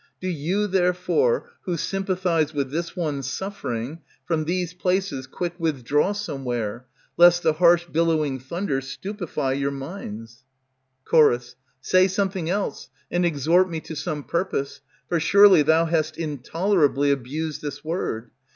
Do you, therefore, who sympathize With this one's suffering, From these places quick withdraw somewhere, Lest the harsh bellowing thunder Stupefy your minds. Ch. Say something else, and exhort me To some purpose; for surely Thou hast intolerably abused this word.